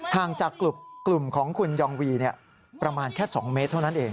ห่างจากกลุ่มของคุณยองวีประมาณแค่๒เมตรเท่านั้นเอง